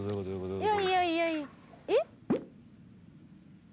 いやいやいやえっ？